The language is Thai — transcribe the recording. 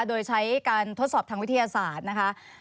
โดยใช้การทดสอบทางวิทยาศาสตร์นะคะ